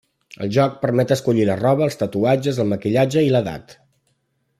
El joc permet escollir la roba, els tatuatges, el maquillatge i l'edat.